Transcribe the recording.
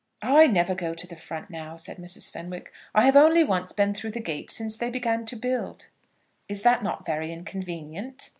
"I never go to the front now," said Mrs. Fenwick; "I have only once been through the gate since they began to build." "Is not that very inconvenient?"